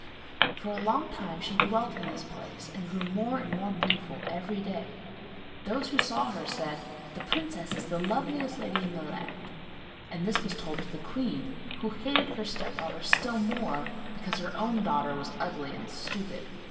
For a long time she dwelt in peace, and grew more and more beautiful every day. Everyone who saw her said 'The princess is the loveliest lady in the land.' And this was told to the queen, who hated her step daughter still more because her own daughter was ugly and stupid.